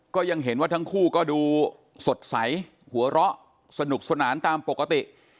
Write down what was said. ก็ยังเห็นว่าทั้งคู่ก็ดูสดใสหัวเราะสนุกสนานตามปกติ